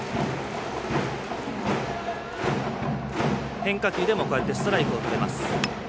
変化球でもストライクをとれます。